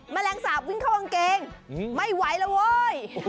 แมลงสาปวิ่งเข้ากางเกงไม่ไหวแล้วเว้ย